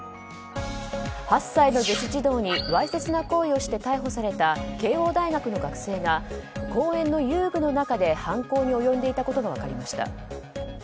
８歳の女子児童にわいせつな行為をして逮捕された慶應大学の学生が公園の遊具の中で犯行に及んでいたことが分かりました。